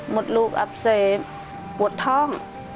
ม่ดรูกอับเสมฟังปฎห้อง